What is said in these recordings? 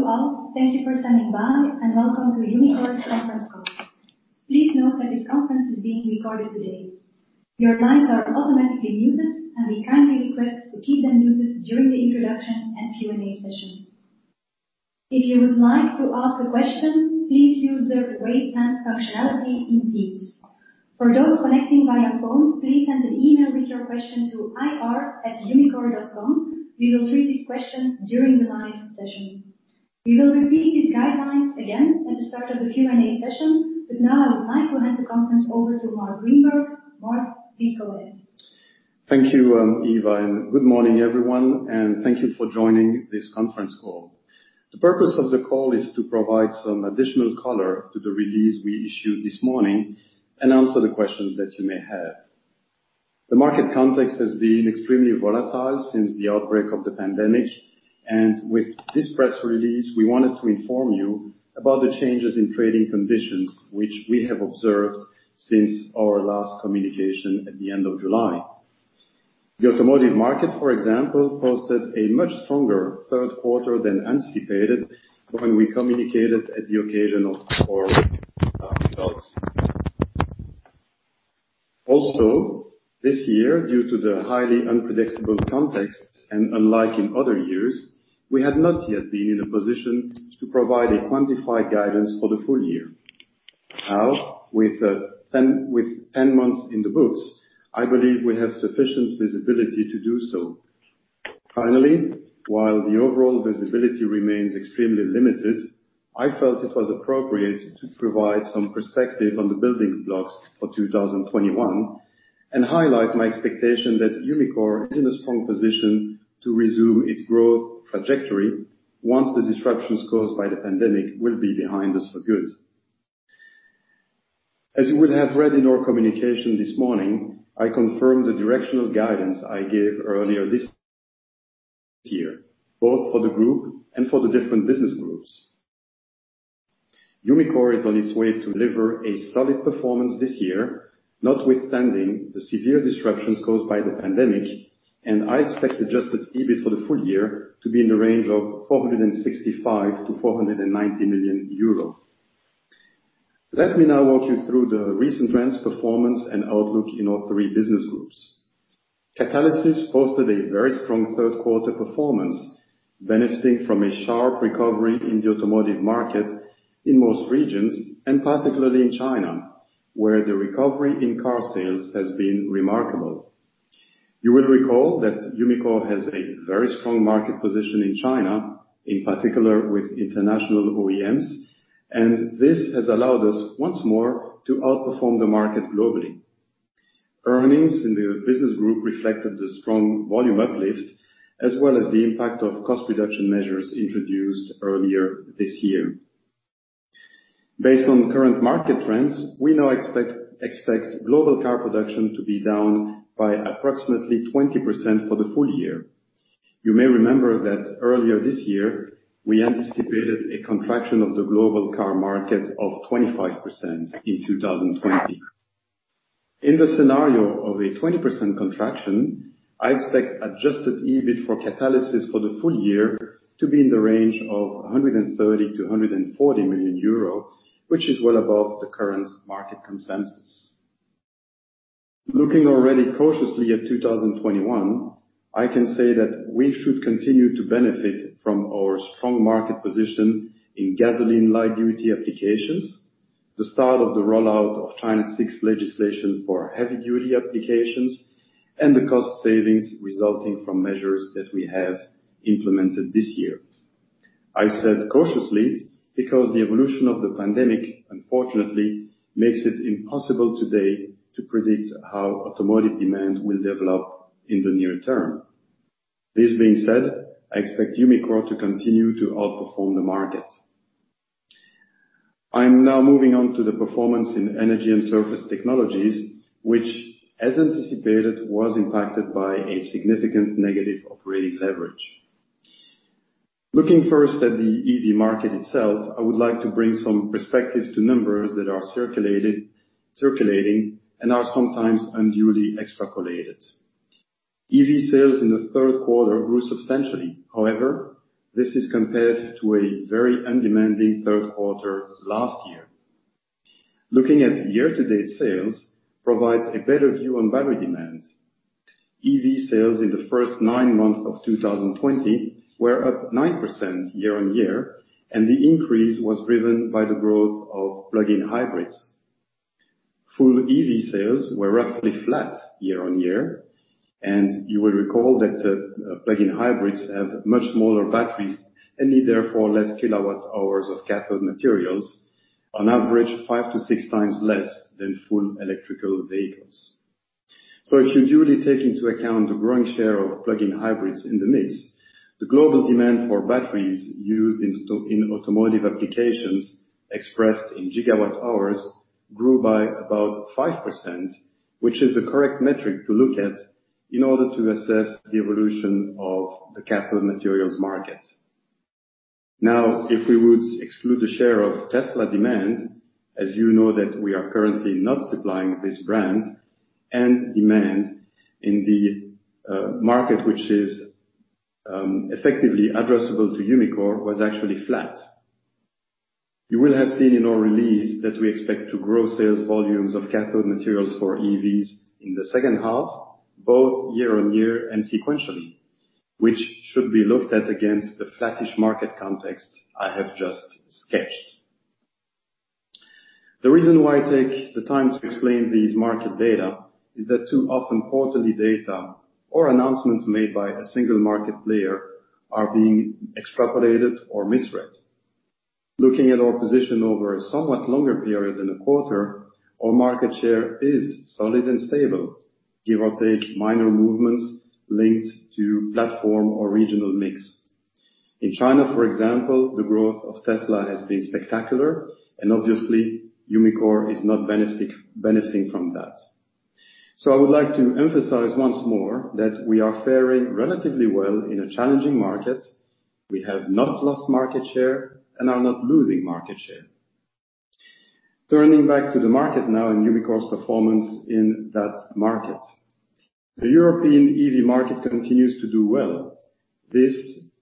Good morning to all. Thank you for standing by and welcome to Umicore's conference call. Please note that this conference is being recorded today. Your lines are automatically muted, and we kindly request to keep them muted during the introduction and Q&A session. If you would like to ask a question, please use the Raise Hand functionality in Teams. For those connecting via phone, please send an email with your question to ir@umicore.com. We will treat this question during the live session. We will repeat these guidelines again at the start of the Q&A session, but now I would like to hand the conference over to Marc Grynberg. Marc, please go ahead. Thank you Eva. Good morning everyone and thank you for joining this conference call. The purpose of the call is to provide some additional color to the release we issued this morning and answer the questions that you may have. The market context has been extremely volatile since the outbreak of the pandemic, with this press release, we wanted to inform you about the changes in trading conditions which we have observed since our last communication at the end of July. The automotive market, for example, posted a much stronger third quarter than anticipated when we communicated at the occasion of our results. This year, due to the highly unpredictable context and unlike in other years, we had not yet been in a position to provide a quantified guidance for the full year. With 10 months in the books, I believe we have sufficient visibility to do so. While the overall visibility remains extremely limited, I felt it was appropriate to provide some perspective on the building blocks for 2021 and highlight my expectation that Umicore is in a strong position to resume its growth trajectory once the disruptions caused by the pandemic will be behind us for good. As you would have read in our communication this morning, I confirm the directional guidance I gave earlier this year, both for the group and for the different business groups. Umicore is on its way to deliver a solid performance this year, notwithstanding the severe disruptions caused by the pandemic, and I expect adjusted EBIT for the full year to be in the range of 465 million-490 million euro. Let me now walk you through the recent trends, performance, and outlook in our three business groups. Catalysis posted a very strong third quarter performance, benefiting from a sharp recovery in the automotive market in most regions, and particularly in China, where the recovery in car sales has been remarkable. You will recall that Umicore has a very strong market position in China, in particular with international OEMs. This has allowed us once more to outperform the market globally. Earnings in the business group reflected the strong volume uplift as well as the impact of cost reduction measures introduced earlier this year. Based on current market trends, we now expect global car production to be down by approximately 20% for the full year. You may remember that earlier this year, we anticipated a contraction of the global car market of 25% in 2020. In the scenario of a 20% contraction, I expect adjusted EBIT for Catalysis for the full year to be in the range of 130 million-140 million euro, which is well above the current market consensus. Looking already cautiously at 2021, I can say that we should continue to benefit from our strong market position in gasoline light-duty applications, the start of the rollout of China's sixth legislation for heavy-duty applications, and the cost savings resulting from measures that we have implemented this year. I said cautiously because the evolution of the pandemic unfortunately makes it impossible today to predict how automotive demand will develop in the near term. This being said, I expect Umicore to continue to outperform the market. I am now moving on to the performance in Energy and Surface Technologies, which, as anticipated, was impacted by a significant negative operating leverage. Looking first at the EV market itself, I would like to bring some perspective to numbers that are circulating and are sometimes unduly extrapolated. EV sales in the third quarter grew substantially. This is compared to a very undemanding third quarter last year. Looking at year-to-date sales provides a better view on battery demand. EV sales in the first nine months of 2020 were up 9% year-on-year, the increase was driven by the growth of plug-in hybrids. Full EV sales were roughly flat year-on-year, you will recall that plug-in hybrids have much smaller batteries and need therefore less kilowatt-hours of cathode materials, on average five to six times less than full electrical vehicles. If you duly take into account the growing share of plug-in hybrids in the mix, the global demand for batteries used in automotive applications expressed in gigawatt-hours grew by about 5%, which is the correct metric to look at in order to assess the evolution of the cathode materials market. If we would exclude the share of Tesla demand, as you know that we are currently not supplying this brand and demand in the market, which is effectively addressable to Umicore, was actually flat. You will have seen in our release that we expect to grow sales volumes of cathode materials for EVs in the second half, both year-over-year and sequentially, which should be looked at against the flattish market context I have just sketched. The reason why I take the time to explain these market data is that too often, quarterly data or announcements made by a single market player are being extrapolated or misread. Looking at our position over a somewhat longer period than a quarter, our market share is solid and stable, give or take minor movements linked to platform or regional mix. In China, for example, the growth of Tesla has been spectacular. Obviously Umicore is not benefiting from that. I would like to emphasize once more that we are faring relatively well in a challenging market. We have not lost market share and are not losing market share. Turning back to the market now and Umicore's performance in that market. The European EV market continues to do well. This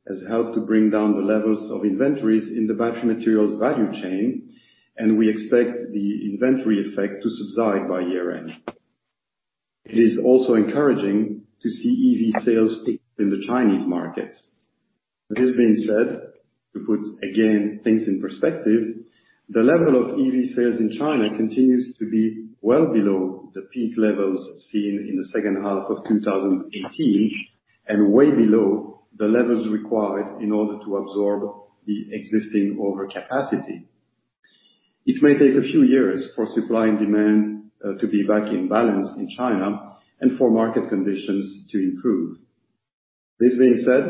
has helped to bring down the levels of inventories in the battery materials value chain, and we expect the inventory effect to subside by year-end. It is also encouraging to see EV sales peak in the Chinese market. This being said, to put, again, things in perspective, the level of EV sales in China continues to be well below the peak levels seen in the second half of 2018 and way below the levels required in order to absorb the existing overcapacity. It may take a few years for supply and demand to be back in balance in China and for market conditions to improve. This being said,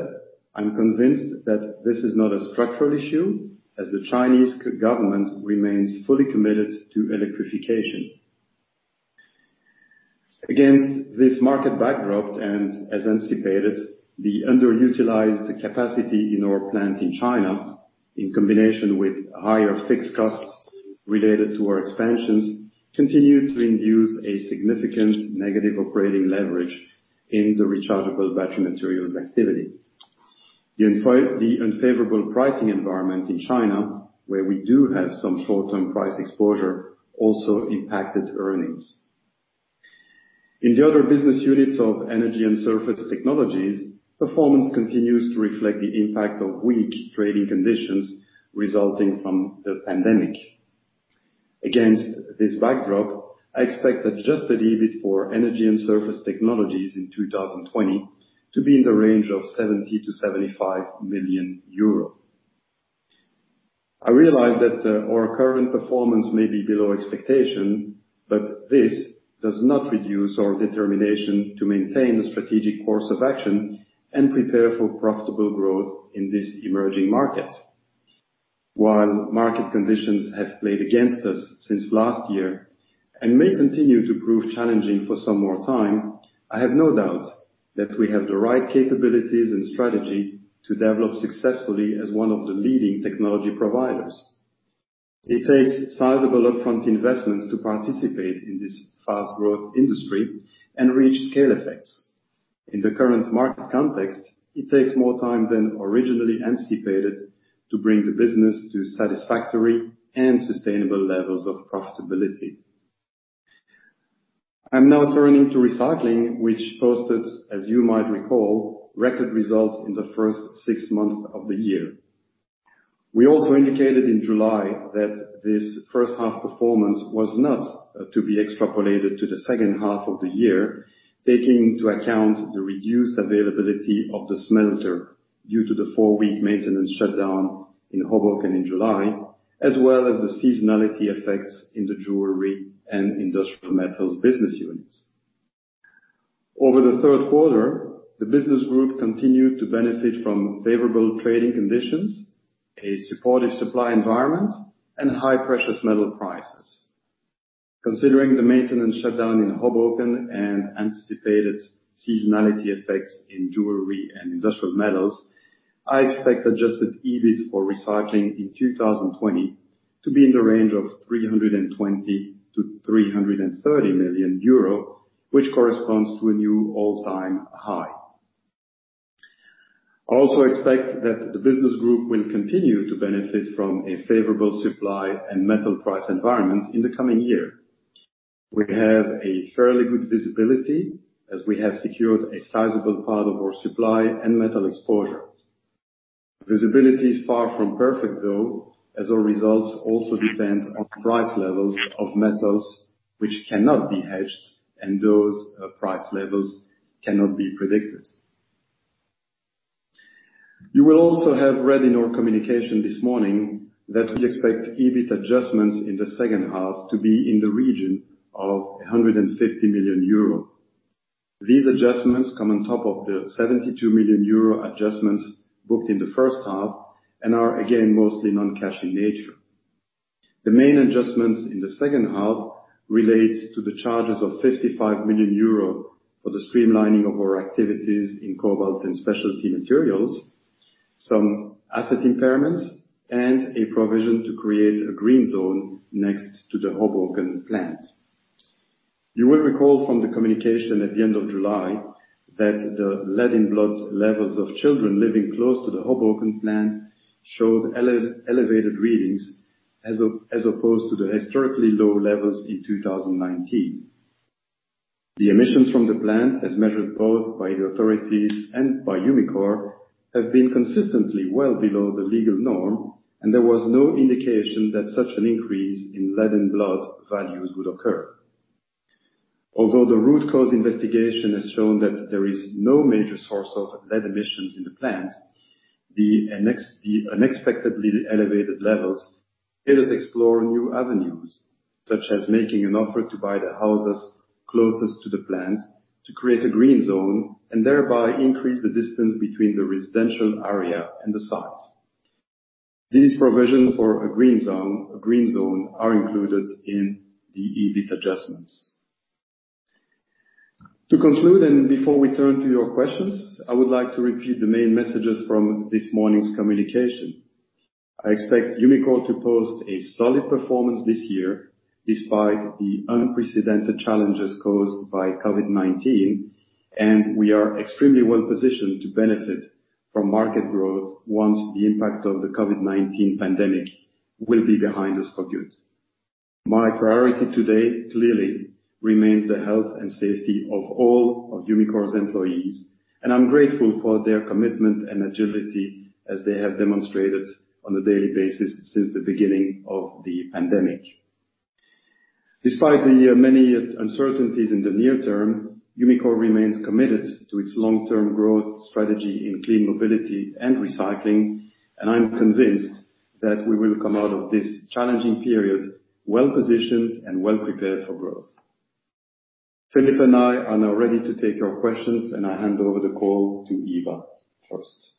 I'm convinced that this is not a structural issue, as the Chinese government remains fully committed to electrification. Against this market backdrop, as anticipated, the underutilized capacity in our plant in China, in combination with higher fixed costs related to our expansions, continued to induce a significant negative operating leverage in the Rechargeable Battery Materials activity. The unfavorable pricing environment in China, where we do have some short-term price exposure, also impacted earnings. In the other business units of Energy & Surface Technologies, performance continues to reflect the impact of weak trading conditions resulting from the pandemic. Against this backdrop, I expect adjusted EBIT for Energy & Surface Technologies in 2020 to be in the range of 70 million-75 million euro. I realize that our current performance may be below expectation, this does not reduce our determination to maintain the strategic course of action and prepare for profitable growth in this emerging market. While market conditions have played against us since last year and may continue to prove challenging for some more time, I have no doubt that we have the right capabilities and strategy to develop successfully as one of the leading technology providers. It takes sizable upfront investments to participate in this fast growth industry and reach scale effects. In the current market context, it takes more time than originally anticipated to bring the business to satisfactory and sustainable levels of profitability. I'm now turning to Recycling, which posted, as you might recall, record results in the first six months of the year. We also indicated in July that this first half performance was not to be extrapolated to the second half of the year, taking into account the reduced availability of the smelter due to the 4-week maintenance shutdown in Hoboken in July, as well as the seasonality effects in the Jewelry & Industrial Metals business units. Over the third quarter, the business group continued to benefit from favorable trading conditions, a supportive supply environment, and high precious metal prices. Considering the maintenance shutdown in Hoboken and anticipated seasonality effects in Jewelry & Industrial Metals, I expect adjusted EBIT for Recycling in 2020 to be in the range of 320 million-330 million euro, which corresponds to a new all-time high. I also expect that the business group will continue to benefit from a favorable supply and metal price environment in the coming year. We have a fairly good visibility as we have secured a sizable part of our supply and metal exposure. Visibility is far from perfect, though, as our results also depend on price levels of metals which cannot be hedged, and those price levels cannot be predicted. You will also have read in our communication this morning that we expect EBIT adjustments in the second half to be in the region of 150 million euro. These adjustments come on top of the 72 million euro adjustments booked in the first half and are again, mostly non-cash in nature. The main adjustments in the second half relate to the charges of 55 million euro for the streamlining of our activities in Cobalt & Specialty Materials. Some asset impairments and a provision to create a green zone next to the Hoboken plant. You will recall from the communication at the end of July that the lead in blood levels of children living close to the Hoboken plant showed elevated readings as opposed to the historically low levels in 2019. The emissions from the plant, as measured both by the authorities and by Umicore, have been consistently well below the legal norm, and there was no indication that such an increase in lead in blood values would occur. Although the root cause investigation has shown that there is no major source of lead emissions in the plant, the unexpectedly elevated levels let us explore new avenues, such as making an offer to buy the houses closest to the plant to create a green zone, and thereby increase the distance between the residential area and the site. These provisions for a green zone are included in the EBIT adjustments. To conclude, and before we turn to your questions, I would like to repeat the main messages from this morning's communication. I expect Umicore to post a solid performance this year despite the unprecedented challenges caused by COVID-19, and we are extremely well positioned to benefit from market growth once the impact of the COVID-19 pandemic will be behind us for good. My priority today clearly remains the health and safety of all of Umicore's employees, and I'm grateful for their commitment and agility as they have demonstrated on a daily basis since the beginning of the pandemic. Despite the many uncertainties in the near term, Umicore remains committed to its long-term growth strategy in clean mobility and recycling, and I'm convinced that we will come out of this challenging period well-positioned and well-prepared for growth. Filip and I are now ready to take your questions. I hand over the call to Eva first.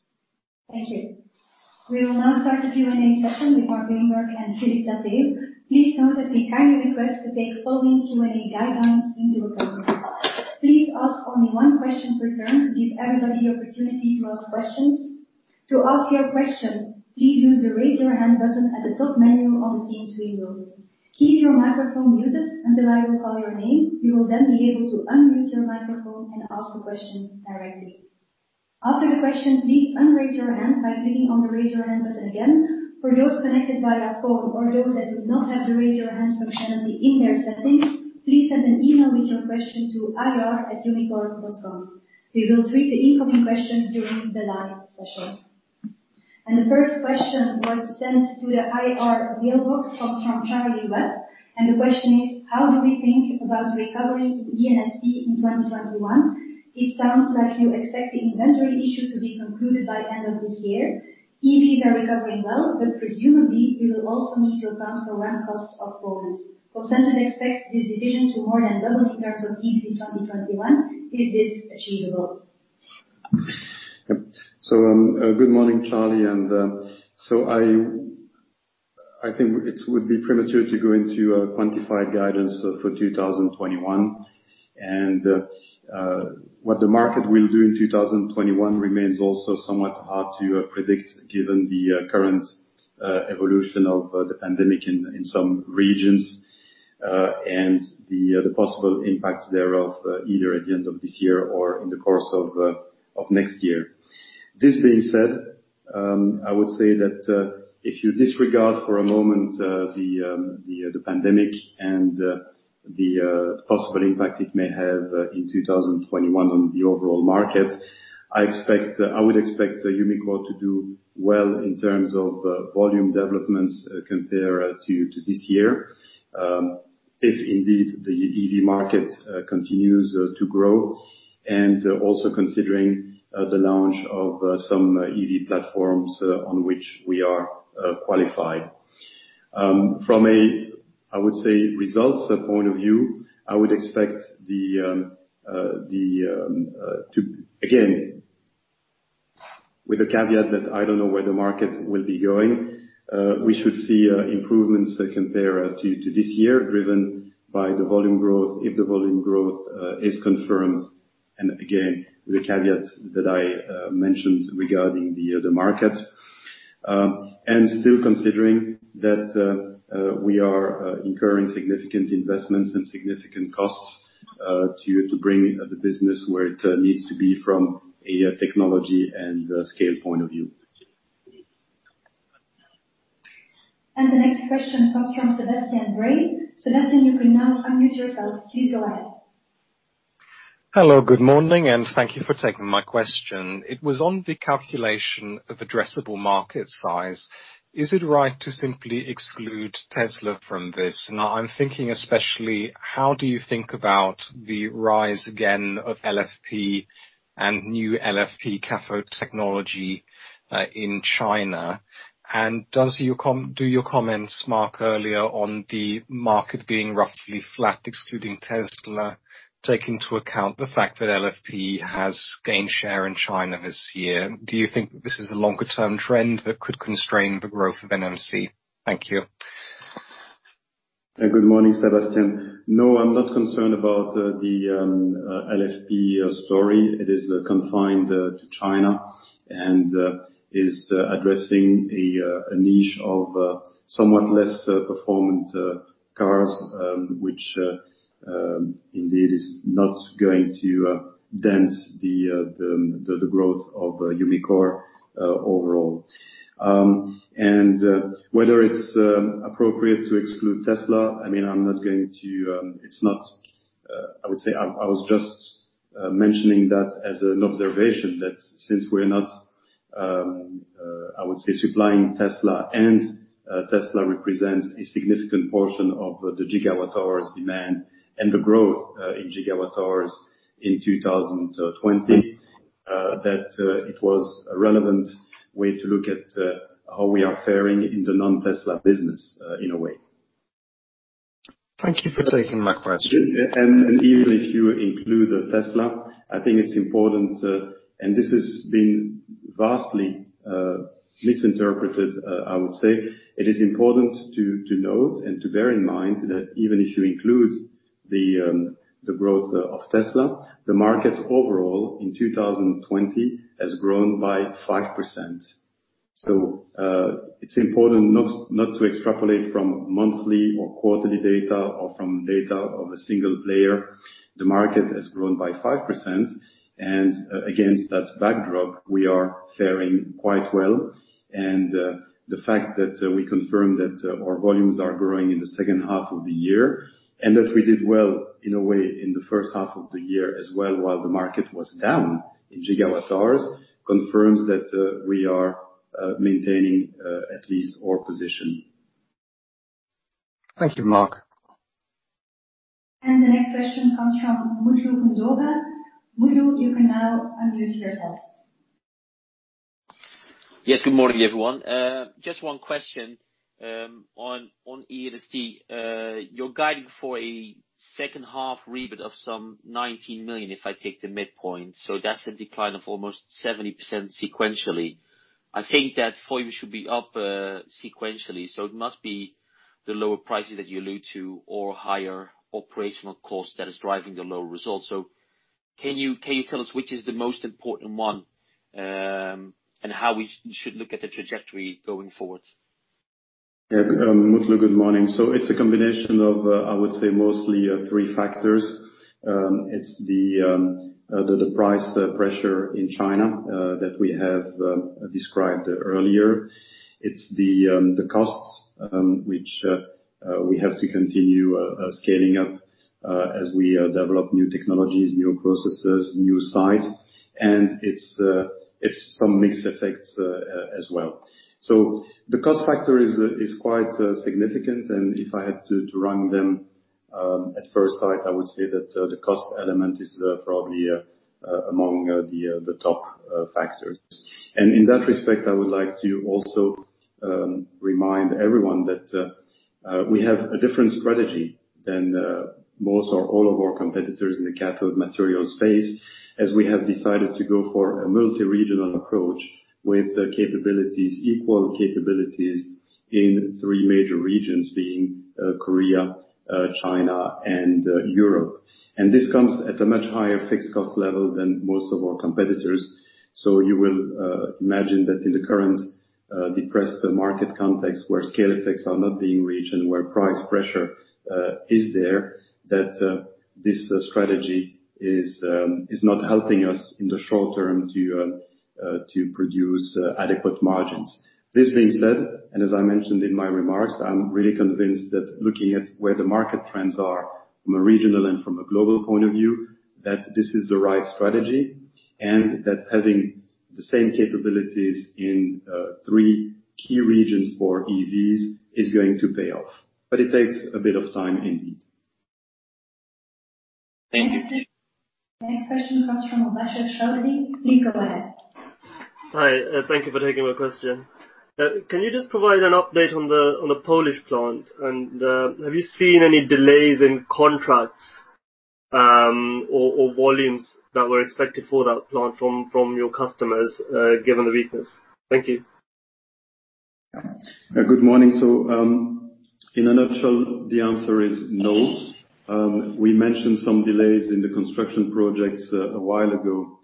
Thank you. We will now start the Q&A session with Marc Grynberg and Filip Platteeuw. Please note that we kindly request to take following Q&A guidelines into account. Please ask only one question per turn to give everybody the opportunity to ask questions. To ask your question, please use the raise your hand button at the top menu of the Teams window. Keep your microphone muted until I will call your name. You will then be able to unmute your microphone and ask the question directly. After the question, please unraise your hand by clicking on the raise your hand button again. For those connected via phone or those that do not have the raise your hand functionality in their settings, please send an email with your question to ir@umicore.com. We will treat the incoming questions during the live session. The first question was sent to the IR mailbox, comes from Charlie Webb, and the question is: How do we think about recovery of the E&ST in 2021? It sounds like you expect the inventory issue to be concluded by end of this year. EVs are recovering well, presumably you will also need to account for ramp costs of volumes. Consensus expects this division to more than double in terms of EBIT in 2021. Is this achievable? Good morning Charlie. I think it would be premature to go into a quantified guidance for 2021. What the market will do in 2021 remains also somewhat hard to predict given the current evolution of the pandemic in some regions, and the possible impact thereof, either at the end of this year or in the course of next year. This being said, I would say that if you disregard for a moment the pandemic and the possible impact it may have in 2021 on the overall market, I would expect Umicore to do well in terms of volume developments compared to this year. If indeed the EV market continues to grow, and also considering the launch of some EV platforms on which we are qualified. From I would say, results point of view, I would expect, again, with the caveat that I don't know where the market will be going, we should see improvements compared to this year driven by the volume growth, if the volume growth is confirmed. Again, the caveat that I mentioned regarding the market. Still considering that we are incurring significant investments and significant costs to bring the business where it needs to be from a technology and scale point of view. The next question comes from Sebastian Bray. Sebastian you can now unmute yourself. Please go ahead. Hello. Good morning, and thank you for taking my question. It was on the calculation of addressable market size. Is it right to simply exclude Tesla from this? I'm thinking especially how do you think about the rise again of LFP and new LFP cathode technology in China? Do your comments, Marc, earlier on the market being roughly flat, excluding Tesla, take into account the fact that LFP has gained share in China this year? Do you think that this is a longer-term trend that could constrain the growth of NMC? Thank you. Good morning Sebastian. I'm not concerned about the LFP story. It is confined to China and is addressing a niche of somewhat less performant cars, which indeed is not going to dent the growth of Umicore overall. Whether it's appropriate to exclude Tesla, I would say I was just mentioning that as an observation, that since we're not supplying Tesla, and Tesla represents a significant portion of the gigawatt hours demand and the growth in gigawatt hours in 2020, that it was a relevant way to look at how we are faring in the non-Tesla business, in a way. Thank you for taking my question. Even if you include Tesla, I think it's important, and this has been vastly misinterpreted, I would say, it is important to note and to bear in mind that even if you include the growth of Tesla, the market overall in 2020 has grown by 5%. It's important not to extrapolate from monthly or quarterly data, or from data of a single player. The market has grown by 5%, and against that backdrop, we are fairing quite well. The fact that we confirm that our volumes are growing in the second half of the year, and that we did well in a way in the first half of the year as well, while the market was down in gigawatt hours, confirms that we are maintaining at least our position. Thank you Marc. The next question comes from Mutlu Gundogan. Mutlu you can now unmute yourself. Yes. Good morning everyone. Just one question on E&ST. You're guiding for a second half EBIT of some 19 million, if I take the midpoint. That's a decline of almost 70% sequentially. I think that volume should be up sequentially, it must be the lower prices that you allude to or higher operational cost that is driving the low results. Can you tell us which is the most important one, and how we should look at the trajectory going forward? Mutlu good morning. It's a combination of, I would say, mostly three factors. It's the price pressure in China, that we have described earlier. It's the costs, which we have to continue scaling up as we develop new technologies, new processes, new sites. It's some mix effects as well. The cost factor is quite significant, and if I had to rank them, at first sight, I would say that the cost element is probably among the top factors. In that respect, I would like to also remind everyone that we have a different strategy than most or all of our competitors in the cathode material space, as we have decided to go for a multi-regional approach with equal capabilities in three major regions being Korea, China, and Europe. This comes at a much higher fixed cost level than most of our competitors. You will imagine that in the current depressed market context, where scale effects are not being reached and where price pressure is there, that this strategy is not helping us in the short term to produce adequate margins. This being said, as I mentioned in my remarks, I'm really convinced that looking at where the market trends are from a regional and from a global point of view, that this is the right strategy. That having the same capabilities in three key regions for EVs is going to pay off. It takes a bit of time, indeed. Thank you. The next question comes from Mubasher Chaudhry. Please go ahead. Hi. Thank you for taking my question. Can you just provide an update on the Polish plant? Have you seen any delays in contracts or volumes that were expected for that plant from your customers given the weakness? Thank you. Good morning. So, in a nutshell, the answer is no. We mentioned some delays in the construction projects a while ago,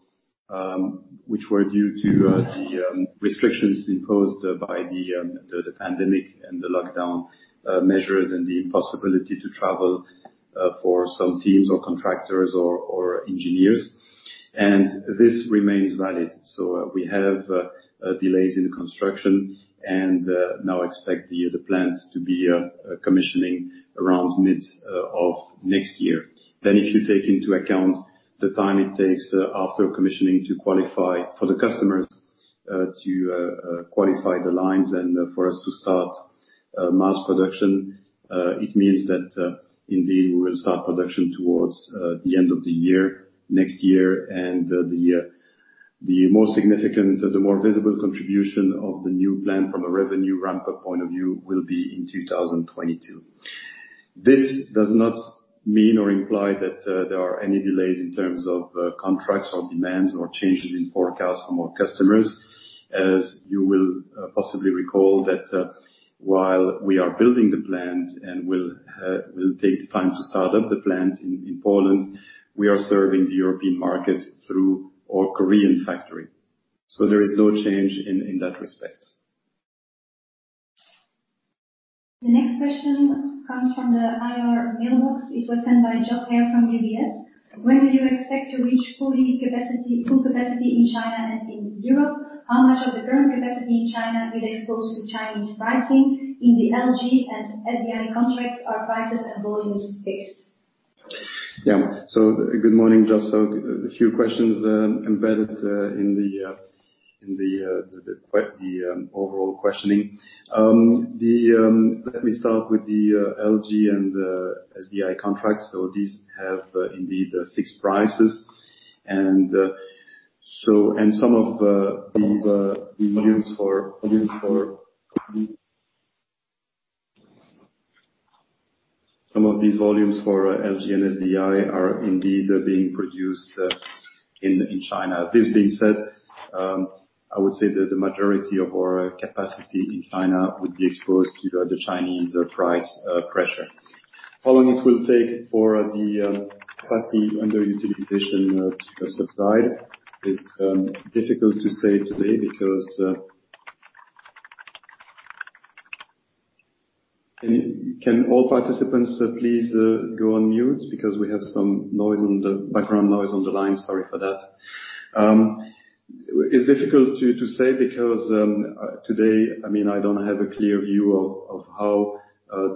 which were due to the restrictions imposed by the pandemic and the lockdown measures, and the impossibility to travel for some teams or contractors or engineers. This remains valid. We have delays in the construction and now expect the plant to be commissioning around mid of next year. If you take into account the time it takes after commissioning to qualify for the customers to qualify the lines and for us to start mass production, it means that indeed we will start production towards the end of the year, next year. The more significant, the more visible contribution of the new plant from a revenue ramp-up point of view will be in 2022. This does not mean or imply that there are any delays in terms of contracts or demands or changes in forecasts from our customers. As you will possibly recall that while we are building the plant and will take time to start up the plant in Poland, we are serving the European market through our Korean factory. There is no change in that respect. The next question comes from the IR mailbox. It was sent by Geoff Haire from UBS. When do you expect to reach full capacity in China and in Europe? How much of the current capacity in China is exposed to Chinese pricing in the LG and SDI contracts? Are prices and volumes fixed? Yeah. Good morning, Geoff. A few questions embedded in the overall questioning. Let me start with the LG and SDI contracts. These have indeed fixed prices, and some of these volumes for LG and SDI are indeed being produced in China. This being said, I would say that the majority of our capacity in China would be exposed to the Chinese price pressures. Can all participants please go on mute because we have some background noise on the line. Sorry for that. It's difficult to say because today, I don't have a clear view of how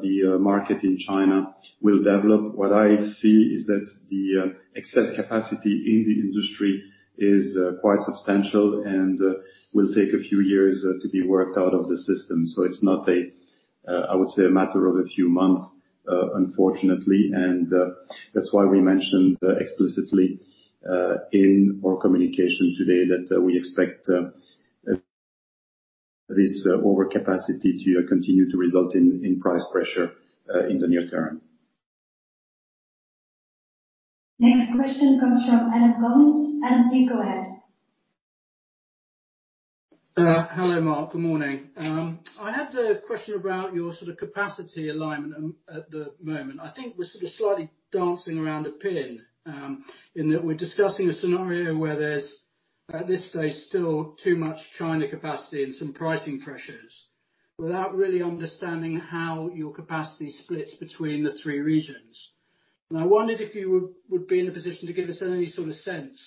the market in China will develop. What I see is that the excess capacity in the industry is quite substantial and will take a few years to be worked out of the system. It's not, I would say, a matter of a few months, unfortunately. That's why we mentioned explicitly in our communication today that we expect this overcapacity to continue to result in price pressure in the near term. Next question comes from Adam Collins. Adam please go ahead. Hello Marc. Good morning. I had a question about your capacity alignment at the moment. I think we're sort of slightly dancing around a pin, in that we're discussing a scenario where there's, at this stage, still too much China capacity and some pricing pressures, without really understanding how your capacity splits between the three regions. I wondered if you would be in a position to give us any sort of sense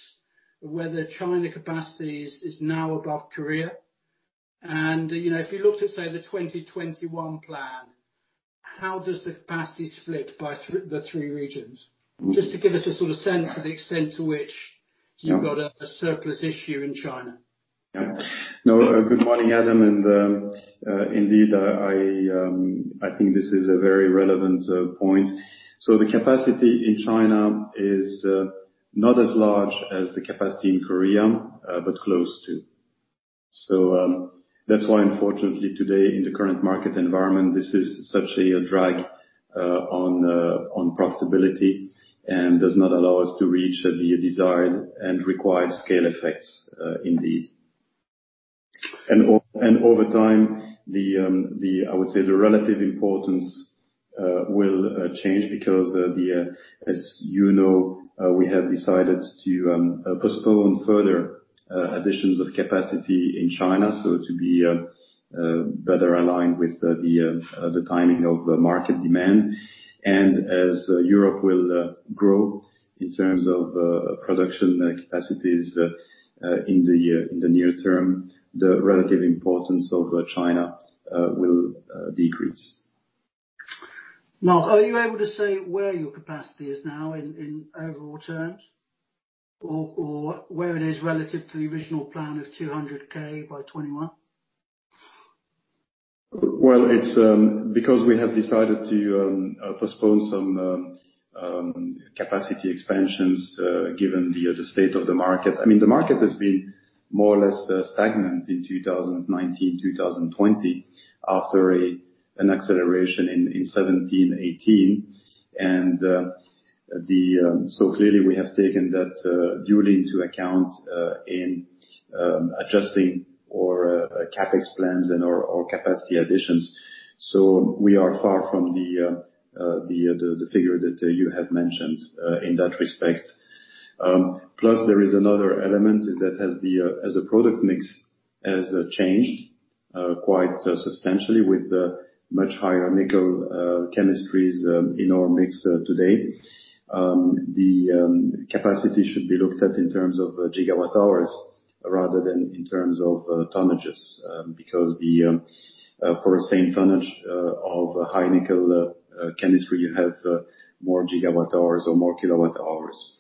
of whether China capacity is now above Korea. If we looked at, say, the 2021 plan, how does the capacity split by the three regions? Just to give us a sort of sense of the extent to which you've got a surplus issue in China. Good morning Adam. Indeed, I think this is a very relevant point. The capacity in China is not as large as the capacity in Korea, but close to. That's why, unfortunately today, in the current market environment, this is essentially a drag on profitability and does not allow us to reach the desired and required scale effects indeed. Over time, I would say the relative importance will change because as you know, we have decided to postpone further additions of capacity in China. To be better aligned with the timing of market demand. As Europe will grow in terms of production capacities in the near term, the relative importance of China will decrease. Marc are you able to say where your capacity is now in overall terms or where it is relative to the original plan of 200K by 2021? It's because we have decided to postpone some capacity expansions, given the state of the market. The market has been more or less stagnant in 2019, 2020 after an acceleration in 2017, 2018. Clearly we have taken that duly into account, in adjusting our CapEx plans and our capacity additions. We are far from the figure that you have mentioned in that respect. Plus, there is another element is that as the product mix has changed quite substantially with much higher nickel chemistries in our mix today. The capacity should be looked at in terms of gigawatt hours rather than in terms of tonnages. For the same tonnage of high nickel chemistry, you have more gigawatt hours or more kilowatt hours.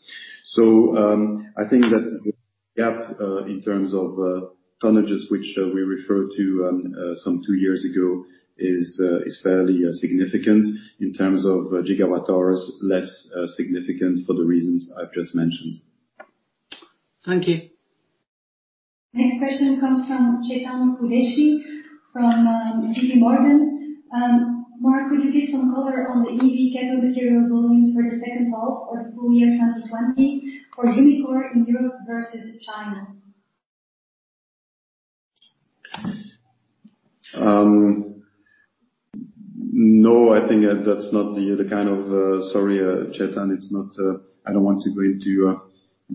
I think that the gap, in terms of tonnages, which we refer to some two years ago, is fairly significant. In terms of gigawatt hours, less significant for the reasons I've just mentioned. Thank you. Next question comes from Chetan Udeshi from JPMorgan. Marc, could you give some color on the EV cathode material volumes for the second half or the full year 2020 for Umicore in Europe versus China? No, sorry Chetan. I don't want to go into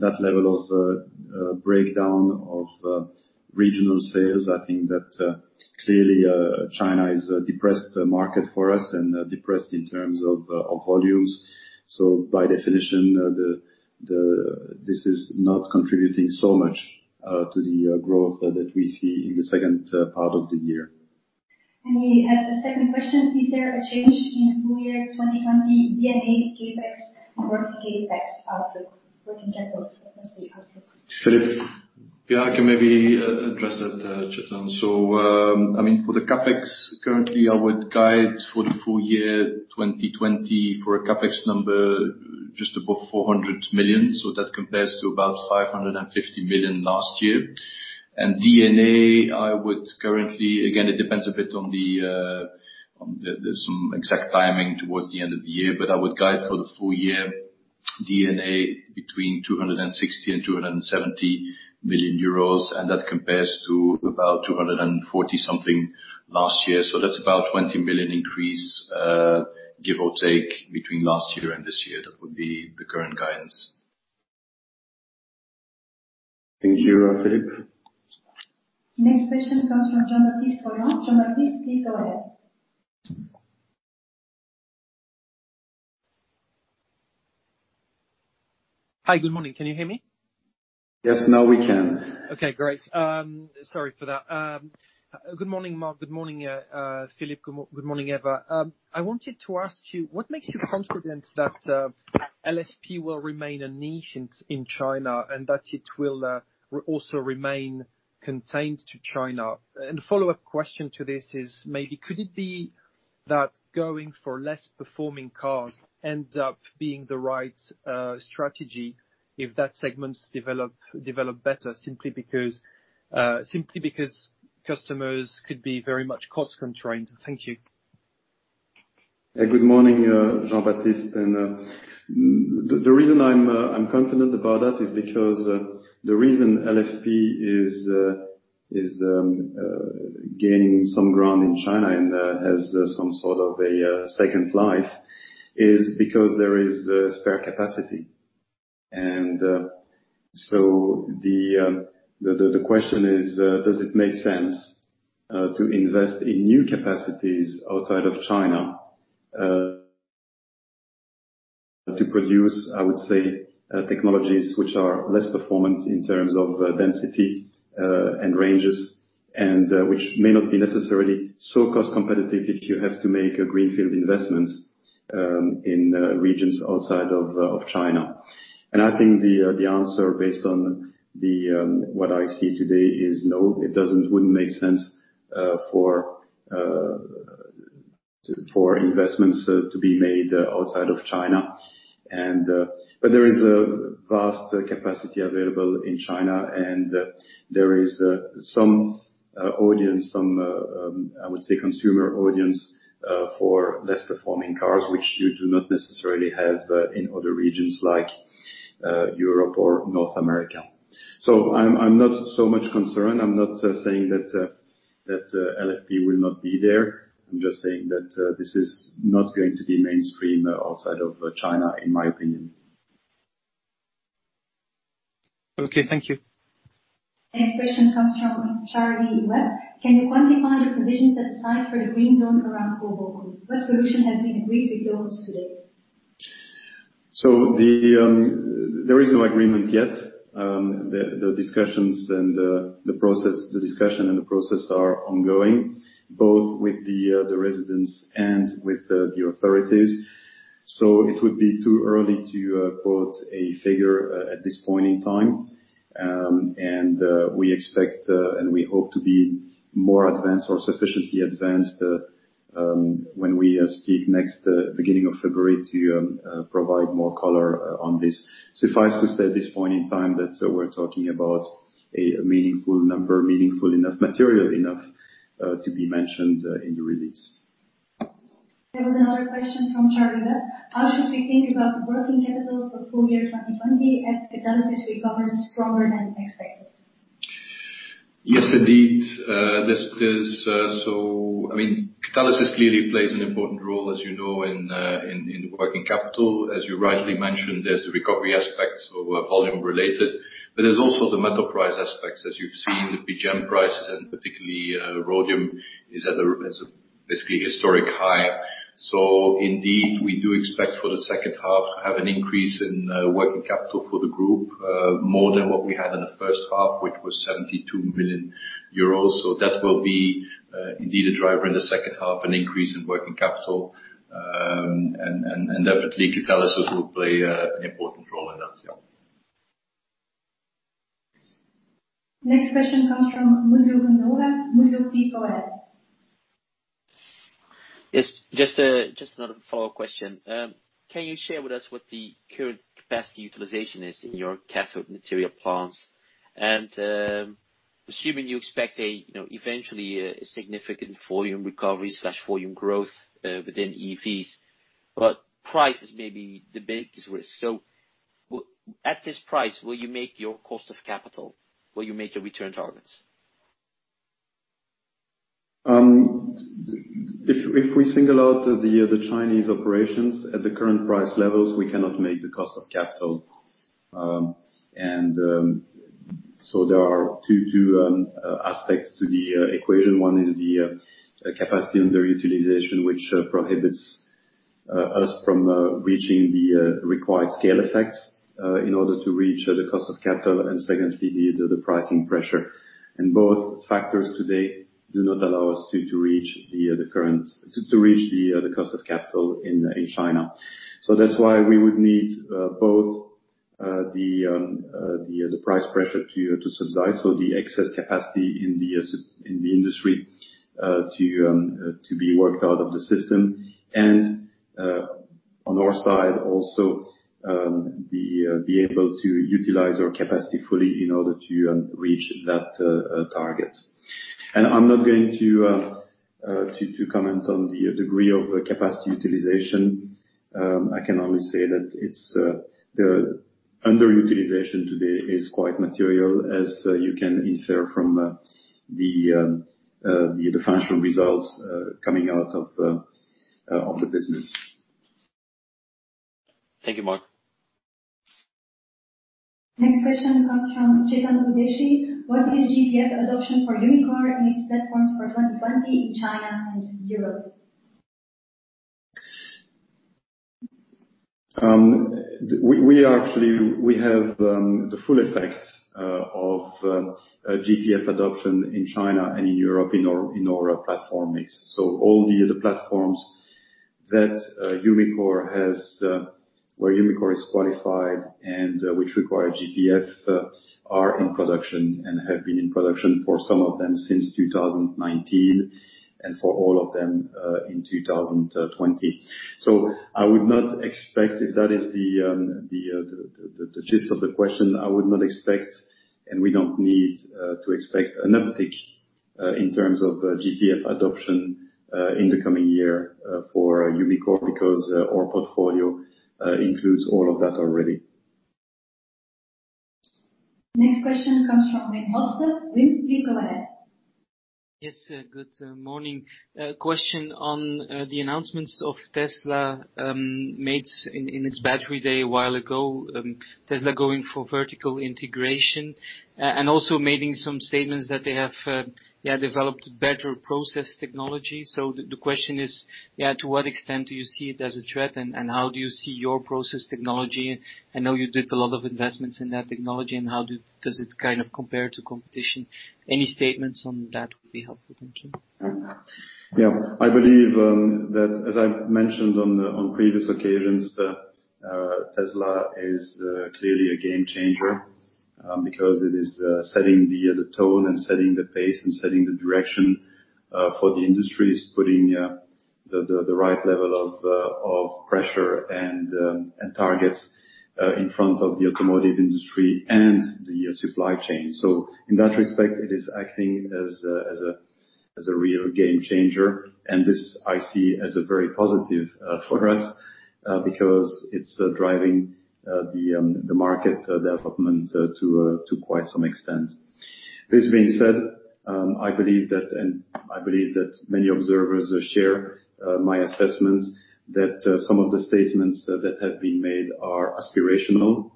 that level of breakdown of regional sales. I think that clearly China is a depressed market for us and depressed in terms of volumes. By definition, this is not contributing so much to the growth that we see in the second part of the year. He has a second question. Is there a change in full year 2020 D&A, CapEx or CapEx outlook working capital, capacity outlook? Filip? Yeah, I can maybe address that Chetan. For the CapEx, currently I would guide for the full year 2020 for a CapEx number just above 400 million. That compares to about 550 million last year. D&A, again, it depends a bit on some exact timing towards the end of the year, but I would guide for the full year D&A between 260 million and 270 million euros, and that compares to about 240 something last year. That's about 20 million increase, give or take, between last year and this year. That would be the current guidance. Thank you Filip. Next question comes from Jean-Baptiste Rolland. Jean-Baptiste please go ahead. Hi. Good morning. Can you hear me? Yes, now we can. Okay great. Sorry for that. Good morning Marc. Good morning Filip. Good morning Eva. I wanted to ask you, what makes you confident that LFP will remain a niche in China and that it will also remain contained to China? A follow-up question to this is maybe could it be that going for less performing cars end up being the right strategy if that segment develop better simply because customers could be very much cost-constrained? Thank you. Good morning Jean-Baptiste. The reason I'm confident about that is because the reason LFP is gaining some ground in China and has some sort of a second life is because there is spare capacity. The question is, does it make sense to invest in new capacities outside of China to produce, I would say, technologies which are less performant in terms of density and ranges, and which may not be necessarily so cost competitive if you have to make a greenfield investment in regions outside of China. I think the answer based on what I see today is, no, it wouldn't make sense for investments to be made outside of China. There is a vast capacity available in China, and there is some audience, some, I would say, consumer audience for less performing cars, which you do not necessarily have in other regions like Europe or North America. I'm not so much concerned. I'm not saying that LFP will not be there. I'm just saying that this is not going to be mainstream outside of China, in my opinion. Okay. Thank you. Next question comes from Charlie Webb. Can you quantify the provisions set aside for the green zone around Hoboken? What solution has been agreed with your host to date? There is no agreement yet. The discussion and the process are ongoing, both with the residents and with the authorities. It would be too early to quote a figure at this point in time. We expect and we hope to be more advanced or sufficiently advanced, when we speak next, beginning of February, to provide more color on this. Suffice to say at this point in time that we're talking about a meaningful number, meaningful enough, material enough, to be mentioned in the release. There was another question from Charlie Webb. How should we think about working capital for full year 2020 as Catalysis recovers stronger than expected? Yes, indeed. I mean, Catalysis clearly plays an important role as you know, in working capital. As you rightly mentioned, there's the recovery aspects of volume related, but there's also the metal price aspects as you've seen, the PGM prices and particularly rhodium is at a basically historic high. Indeed, we do expect for the second half have an increase in working capital for the group, more than what we had in the first half, which was 72 million euros. That will be indeed a driver in the second half, an increase in working capital. Definitely, Catalysis will play an important role in that. Yeah. Next question comes from Ranulf Orr. Ranulf, please go ahead. Yes. Just another follow-up question. Can you share with us what the current capacity utilization is in your cathode materials plants? Assuming you expect eventually a significant volume recovery/volume growth within EVs, but prices may be the biggest risk. At this price, will you make your cost of capital? Will you make your return targets? If we single out the Chinese operations at the current price levels, we cannot make the cost of capital. There are two aspects to the equation. One is the capacity underutilization, which prohibits us from reaching the required scale effects in order to reach the cost of capital, and secondly, the pricing pressure. Both factors today do not allow us to reach the cost of capital in China. That's why we would need both the price pressure to subside, so the excess capacity in the industry to be worked out of the system. On our side also, be able to utilize our capacity fully in order to reach that target. I'm not going to comment on the degree of capacity utilization. I can only say that the underutilization today is quite material as you can infer from the financial results coming out of the business. Thank you Marc. Next question comes from Chetan Udeshi. What is GPF adoption for Umicore in its platforms for 2020 in China and Europe? We have the full effect of GPF adoption in China and in Europe in our platform mix. All the other platforms where Umicore is qualified and which require GPF are in production and have been in production for some of them since 2019 and for all of them, in 2020. I would not expect, if that is the gist of the question, I would not expect, and we don’t need to expect an uptick in terms of GPF adoption in the coming year for Umicore because our portfolio includes all of that already. Next question comes from Wim Hoste. Wim please go ahead. Yes good morning. A question on the announcements of Tesla made in its Battery Day a while ago. Tesla going for vertical integration and also making some statements that they have developed better process technology. The question is, to what extent do you see it as a threat, and how do you see your process technology? I know you did a lot of investments in that technology, and how does it compare to competition? Any statements on that would be helpful. Thank you. Yeah. I believe that as I've mentioned on previous occasions, Tesla is clearly a game changer because it is setting the tone and setting the pace and setting the direction for the industry. It's putting the right level of pressure and targets in front of the automotive industry and the supply chain. In that respect, it is acting as a real game changer. This I see as a very positive for us because it's driving the market development to quite some extent. This being said, I believe that, and I believe that many observers share my assessment, that some of the statements that have been made are aspirational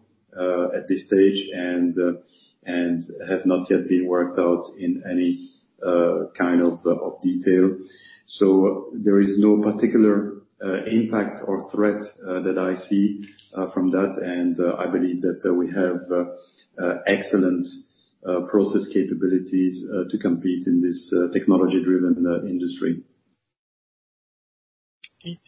at this stage and have not yet been worked out in any kind of detail. There is no particular impact or threat that I see from that, and I believe that we have excellent process capabilities to compete in this technology-driven industry. Okay. Thank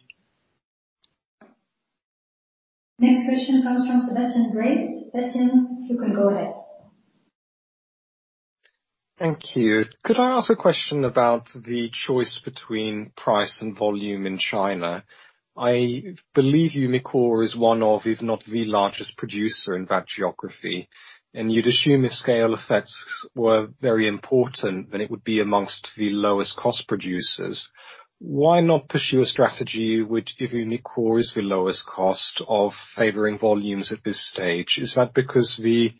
you. Next question comes from Sebastian Bray. Sebastian, you can go ahead. Thank you. Could I ask a question about the choice between price and volume in China? I believe Umicore is one of, if not the largest producer in that geography. You'd assume if scale effects were very important, then it would be amongst the lowest cost producers. Why not pursue a strategy which, if Umicore is the lowest cost of favoring volumes at this stage, is that because the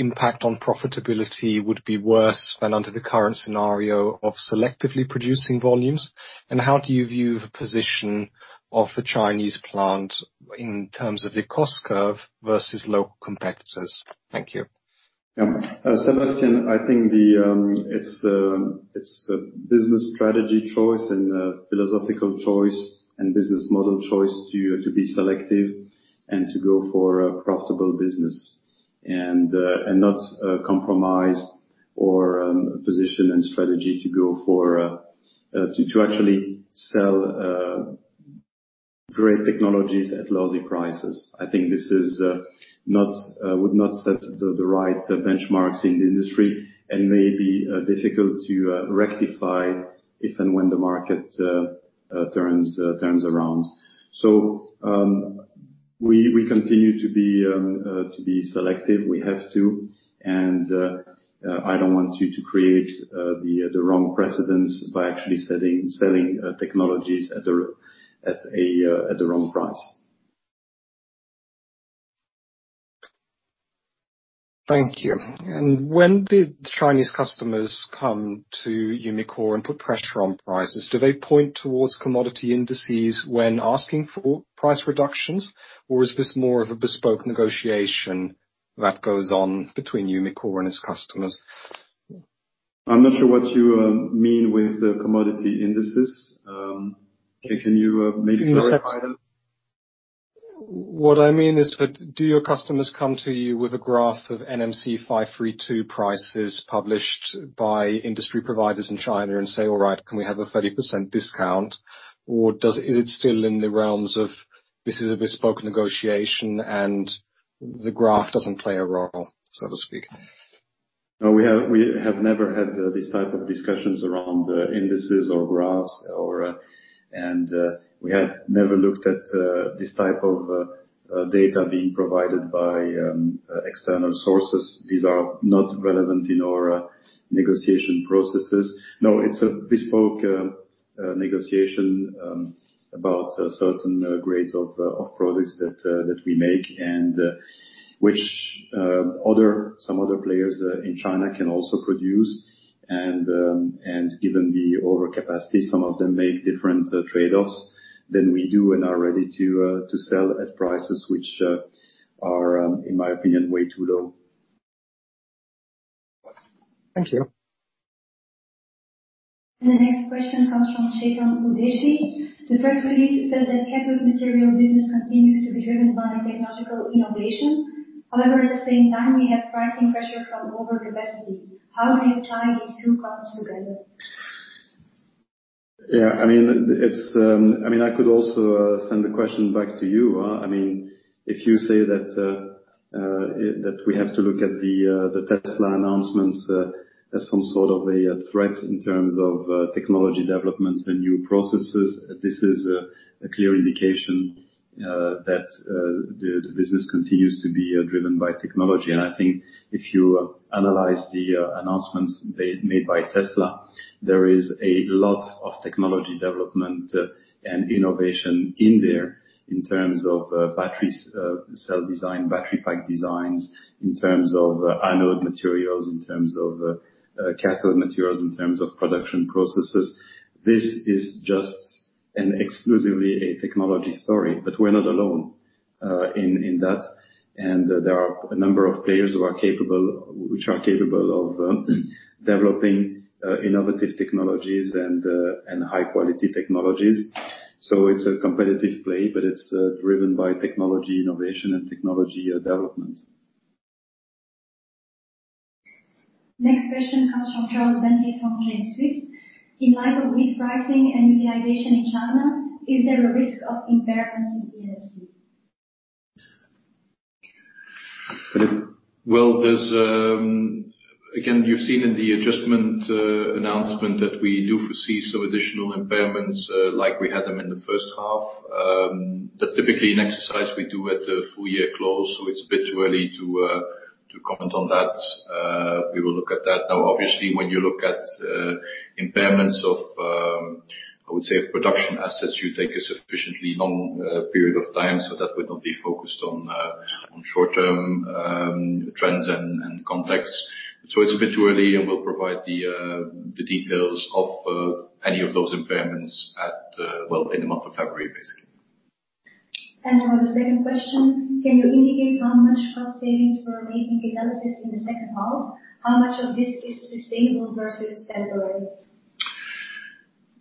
impact on profitability would be worse than under the current scenario of selectively producing volumes? How do you view the position of the Chinese plant in terms of the cost curve versus local competitors? Thank you. Yeah. Sebastian, I think it's a business strategy choice and a philosophical choice and business model choice to be selective and to go for a profitable business and not compromise our position and strategy to actually sell great technologies at lousy prices. I think this would not set the right benchmarks in the industry and may be difficult to rectify if and when the market turns around. We continue to be selective. We have to, and I don't want to create the wrong precedent by actually selling technologies at the wrong price. Thank you. When did Chinese customers come to Umicore and put pressure on prices? Do they point towards commodity indices when asking for price reductions, or is this more of a bespoke negotiation that goes on between Umicore and its customers? I'm not sure what you mean with the commodity indices. Can you maybe clarify that? What I mean is, do your customers come to you with a graph of NMC532 prices published by industry providers in China and say, "All right, can we have a 30% discount?" Or is it still in the realms of this is a bespoke negotiation and the graph doesn't play a role, so to speak? No. We have never had these type of discussions around indices or graphs. We have never looked at this type of data being provided by external sources. These are not relevant in our negotiation processes. No, it's a bespoke negotiation about certain grades of products that we make and which some other players in China can also produce. Given the over capacity, some of them make different trade-offs than we do and are ready to sell at prices which are, in my opinion, way too low. Thank you. The next question comes from Chetan Udeshi. The press release says that cathode material business continues to be driven by technological innovation. At the same time, we have pricing pressure from over capacity. How do you tie these two parts together? I could also send the question back to you. If you say that we have to look at the Tesla announcements as some sort of a threat in terms of technology developments and new processes, this is a clear indication that the business continues to be driven by technology. I think if you analyze the announcements made by Tesla, there is a lot of technology development and innovation in there in terms of battery cell design, battery pack designs, in terms of anode materials, in terms of cathode materials, in terms of production processes. This is just an exclusively a technology story, but we're not alone in that. There are a number of players which are capable of developing innovative technologies and high-quality technologies. It's a competitive play, but it's driven by technology innovation and technology development. Next question comes from Charles Bentley from Credit Suisse. In light of weak pricing and utilization in China, is there a risk of impairments in E&ST? Again, you've seen in the adjustment announcement that we do foresee some additional impairments, like we had them in the first half. That's typically an exercise we do at a full year close, so it's a bit early to comment on that. We will look at that. Now, obviously, when you look at impairments of, I would say, of production assets, you take a sufficiently long period of time, so that would not be focused on short-term trends and context. It's a bit early, and we'll provide the details of any of those impairments in the month of February, basically. For the second question, can you indicate how much cost savings were made in Catalysis in the second half? How much of this is sustainable versus temporary?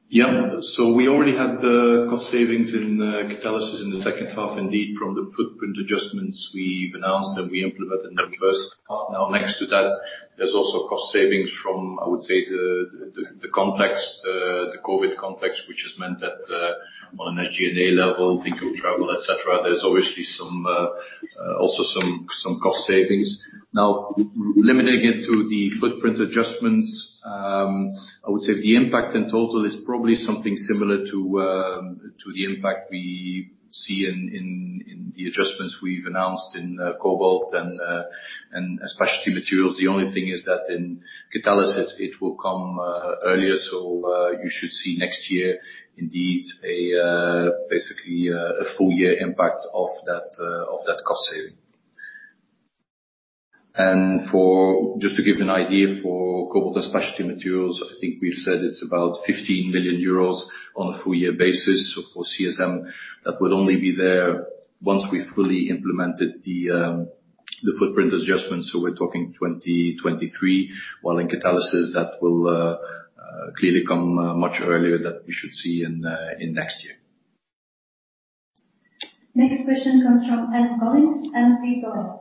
Yeah. We already had the cost savings in Catalysis in the second half, indeed, from the footprint adjustments we've announced and we implemented in the first half. Next to that, there's also cost savings from, I would say, the COVID context, which has meant that on an G&A level, think of travel, et cetera. There's obviously also some cost savings. Limiting it to the footprint adjustments, I would say the impact in total is probably something similar to the impact we see in the adjustments we've announced in Cobalt & Specialty Materials. The only thing is that in Catalysis, it will come earlier. You should see next year, indeed, basically a full year impact of that cost saving. Just to give you an idea for Cobalt & Specialty Materials, I think we've said it's about 15 million euros on a full year basis. For CSM, that would only be there once we've fully implemented the footprint adjustment. We're talking 2023, while in Catalysis, that will clearly come much earlier, that we should see in next year. Next question comes from Adam Collins. Adam please go ahead..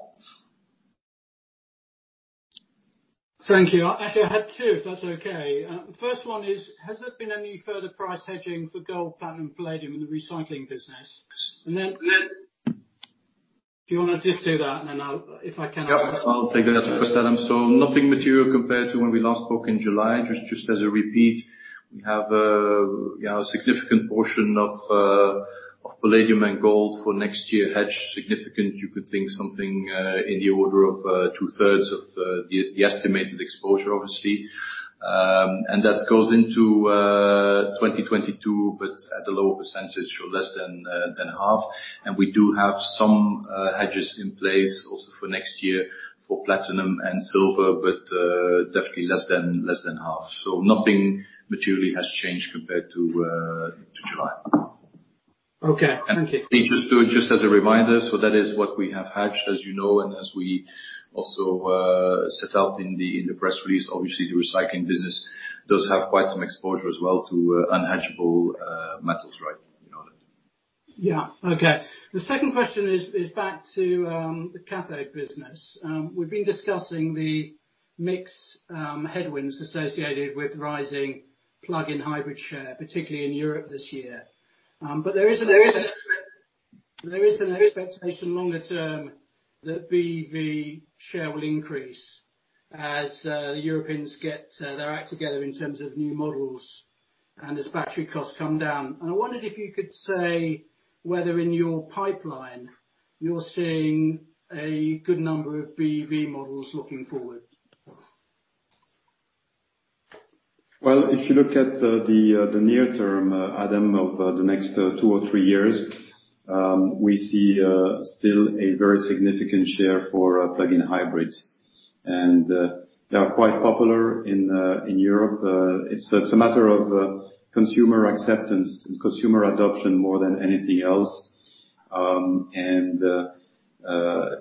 Thank you. Actually, I had two, if that's okay. First one is, has there been any further price hedging for gold, platinum, palladium in the Recycling business? Yeah, I'll take that first Adam. Nothing material compared to when we last spoke in July, just as a repeat. We have a significant portion of palladium and gold for next year hedged significant. You could think something in the order of two-thirds of the estimated exposure, obviously. That goes into 2022, but at a lower percentage, less than half. We do have some hedges in place also for next year for platinum and silver. Definitely less than half. Nothing materially has changed compared to July. Okay. Thank you. Just as a reminder, that is what we have hedged, as you know, and as we also set out in the press release. Obviously, the Recycling business does have quite some exposure as well to unhedgeable metals. You know that. Yeah. Okay. The second question is back to the cathode business. We've been discussing the mix headwinds associated with rising plug-in hybrid share, particularly in Europe this year. There is an expectation longer term that BEV share will increase as Europeans get their act together in terms of new models and as battery costs come down. I wondered if you could say whether in your pipeline you're seeing a good number of BEV models looking forward. If you look at the near term, Adam, of the next two or three years, we see still a very significant share for plug-in hybrids. They are quite popular in Europe. It's a matter of consumer acceptance and consumer adoption more than anything else.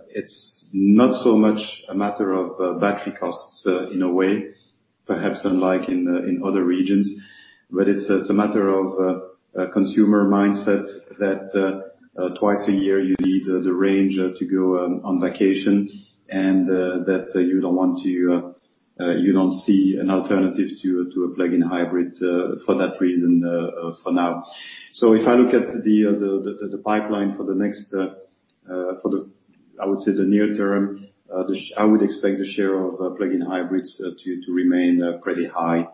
It's not so much a matter of battery costs in a way, perhaps unlike in other regions. It's a matter of consumer mindset that twice a year you need the range to go on vacation and that you don't see an alternative to a plug-in hybrid for that reason for now. If I look at the pipeline for the next, I would say the near term, I would expect the share of plug-in hybrids to remain pretty high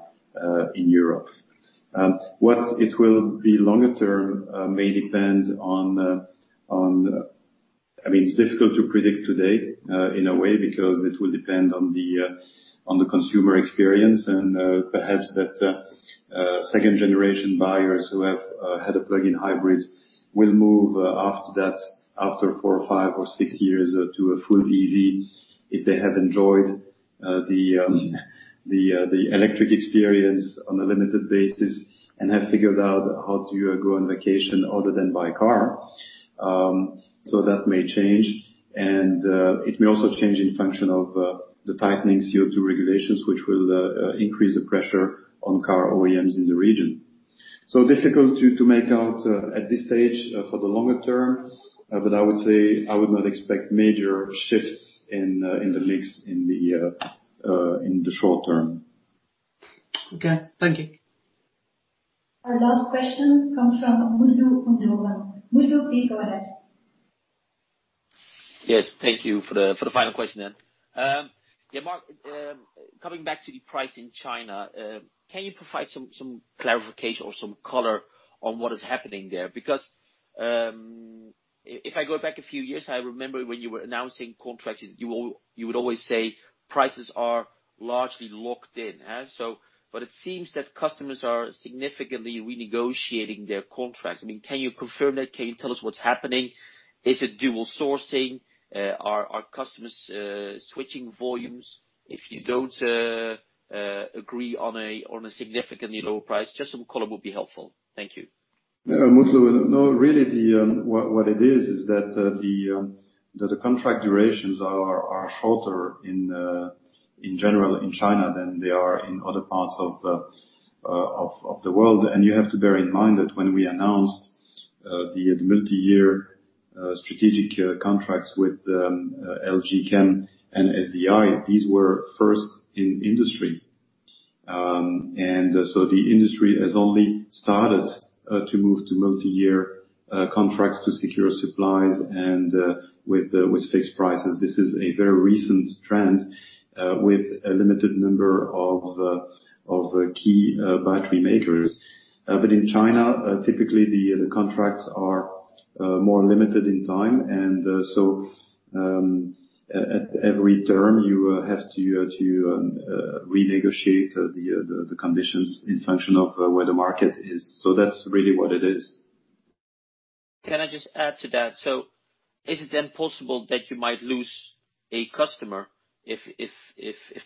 in Europe. What it will be longer term may depend on. It is difficult to predict today, in a way, because it will depend on the consumer experience and perhaps that second-generation buyers who have had a plug-in hybrid will move after four or five or six years to a full EV if they have enjoyed the electric experience on a limited basis and have figured out how to go on vacation other than by car. That may change, and it may also change in function of the tightening CO2 regulations, which will increase the pressure on car OEMs in the region. Difficult to make out at this stage for the longer term, but I would say I would not expect major shifts in the mix in the short term. Okay. Thank you. Our last question comes from Mutlu Gundogan. Mutlu, please go ahead. Thank you for the final question then. Marc, coming back to the price in China, can you provide some clarification or some color on what is happening there? Because if I go back a few years, I remember when you were announcing contracts, you would always say prices are largely locked in. It seems that customers are significantly renegotiating their contracts. Can you confirm that? Can you tell us what's happening? Is it dual sourcing? Are customers switching volumes if you don't agree on a significantly lower price? Just some color would be helpful. Thank you. Yeah Mutlu. No, really what it is that the contract durations are shorter in general in China than they are in other parts of the world. You have to bear in mind that when we announced the multi-year strategic contracts with LG Chem and SDI, these were first in industry. The industry has only started to move to multi-year contracts to secure supplies and with fixed prices. This is a very recent trend with a limited number of key battery makers. In China, typically, the contracts are more limited in time. At every term you have to renegotiate the conditions in function of where the market is. That's really what it is. Can I just add to that? Is it then possible that you might lose a customer if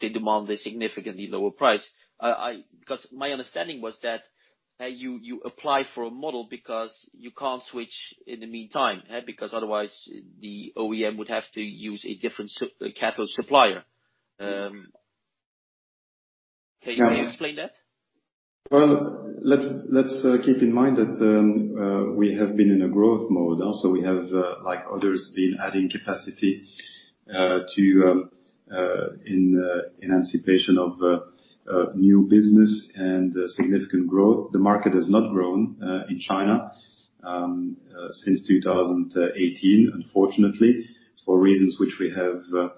they demand a significantly lower price? My understanding was that you apply for a model because you can't switch in the meantime. Otherwise the OEM would have to use a different cathode supplier. Can you explain that? Well, let's keep in mind that we have been in a growth mode. We have, like others, been adding capacity in anticipation of new business and significant growth. The market has not grown in China since 2018, unfortunately, for reasons which we have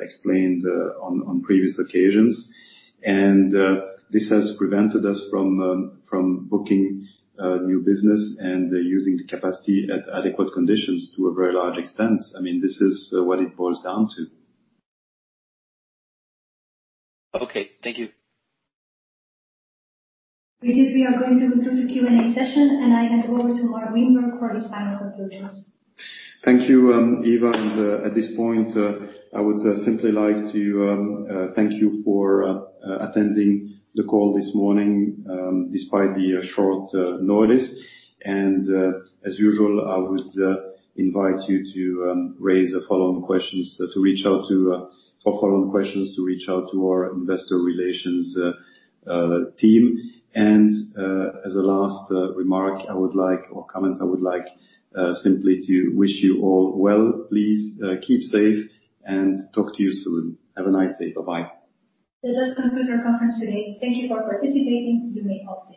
explained on previous occasions. This has prevented us from booking new business and using capacity at adequate conditions to a very large extent. This is what it boils down to. Okay. Thank you. With this, we are going to conclude the Q&A session and I hand over to Marc Grynberg for his final conclusions. Thank you Eva. At this point, I would simply like to thank you for attending the call this morning, despite the short notice. As usual, I would invite you for follow-on questions, to reach out to our investor relations team. As a last remark or comment, I would like simply to wish you all well. Please keep safe and talk to you soon. Have a nice day. Bye-bye. That does conclude our conference today. Thank you for participating. You may all disconnect.